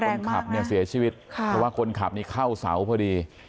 คนขับเนี่ยเสียชีวิตค่ะเพราะว่าคนขับนี่เข้าเสาพอดี